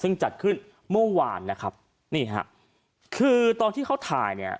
ซึ่งจัดขึ้นเมื่อวานนะครับนี่ฮะคือตอนที่เขาถ่ายเนี่ย